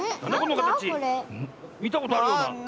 みたことあるような。